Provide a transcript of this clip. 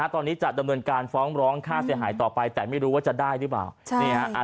ตอนนี้จะดำเนินการฟ้องร้องค่าเสียหายต่อไปแต่ไม่รู้ว่าจะได้หรือเปล่า